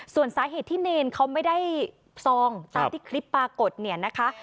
ส่วนสาเหตุที่เนรเขาไม่ได้ซองตามที่คลิปปรากฏเนี่ยนะคะ